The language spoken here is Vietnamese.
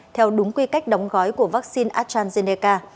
theo đúng quy cách đóng gói của vaccine astrazeneca